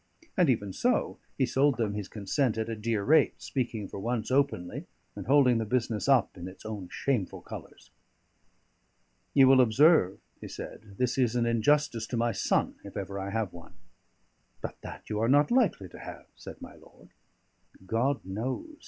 And even so, he sold them his consent at a dear rate, speaking for once openly, and holding the business up in its own shameful colours. "You will observe," he said, "this is an injustice to my son, if ever I have one." "But that you are not likely to have," said my lord. "God knows!"